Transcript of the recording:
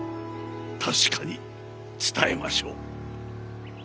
確かに伝えましょう。